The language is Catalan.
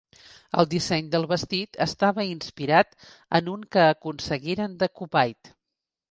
El disseny del vestit estava inspirat en un que aconseguiren de Kuwait.